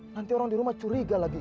nanti orang di rumah curiga lagi